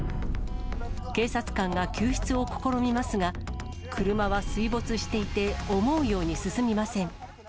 警察官が救出を試みますが、車は水没していて、思うように進みません。